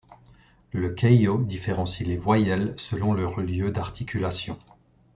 Le keyo différencie les voyelles selon leur lieu d'articulation.